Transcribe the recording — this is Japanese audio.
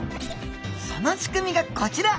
その仕組みがこちら！